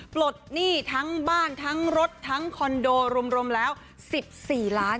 ปลดหนี้ทั้งบ้านทั้งรถทั้งคอนโดรวมแล้ว๑๔ล้าน